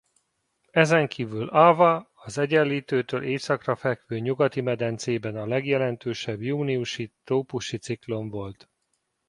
Ezenkívül Ava az Egyenlítőtől északra fekvő Nyugati-medencében a legerősebb júniusi trópusi ciklon volt.